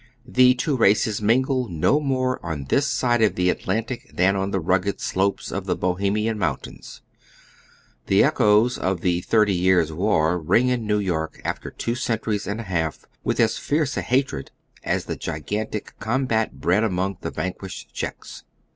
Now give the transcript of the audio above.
The two races mingle no more on this side of the Atlantic than on the rugged slopes of the Bohemian mountains ; ^1^ 0 Google THE BOHEMIANS. 137 the eehoee of the thirty years' war ring in New York, after two centnries and a half, with aa fierce a hatred as the gigantic combat bred among the vanquialied Czeelis.